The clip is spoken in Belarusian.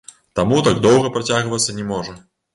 Таму так доўга працягвацца не можа.